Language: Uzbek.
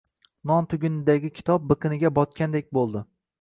Non tugunidagi kitob biqiniga botgandek boʼldi.